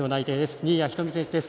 新谷仁美選手です。